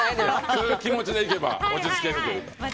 そういう気持ちでいけば落ち着ける。